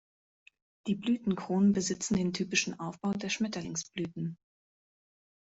Die Blütenkronen besitzen den typischen Aufbau der Schmetterlingsblüten.